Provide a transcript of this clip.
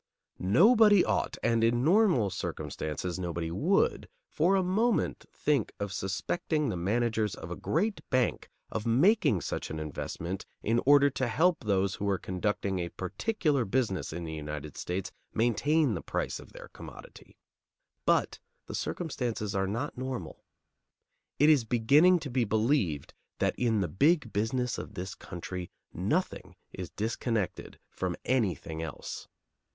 Nobody ought, and in normal circumstances nobody would, for a moment think of suspecting the managers of a great bank of making such an investment in order to help those who were conducting a particular business in the United States maintain the price of their commodity; but the circumstances are not normal. It is beginning to be believed that in the big business of this country nothing is disconnected from anything else.